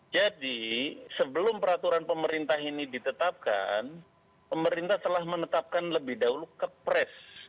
jadi sebelum peraturan pemerintah ini ditetapkan pemerintah telah menetapkan lebih dahulu kepres